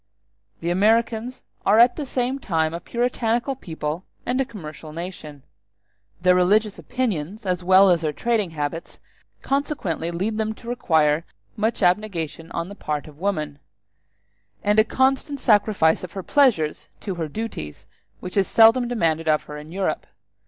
The Americans are at the same time a puritanical people and a commercial nation: their religious opinions, as well as their trading habits, consequently lead them to require much abnegation on the part of woman, and a constant sacrifice of her pleasures to her duties which is seldom demanded of her in Europe.